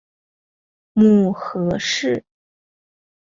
母何氏。